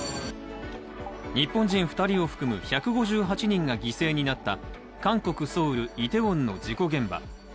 日本人２人を含む１５８人が犠牲になった韓国・ソウル、イテウォンの事故現場。